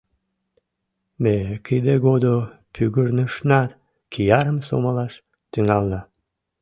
Ме кыде-годо пӱгырнышнат, киярым сомылаш тӱҥална.